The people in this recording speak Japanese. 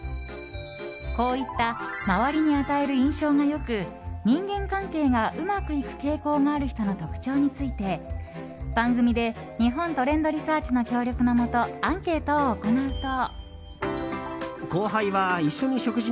こういった周りに与える印象が良く人間関係がうまくいく傾向がある人の特徴について番組で日本トレンドリサーチの協力のもとアンケートを行うと。